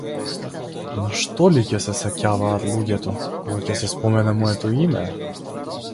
На што ли ќе се сеќаваат луѓето, кога ќе се спомене моето име?